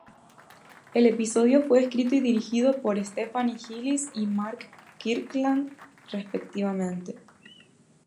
El episodio fue escrito y dirigido por Stephanie Gillis y Mark Kirkland respectivamente.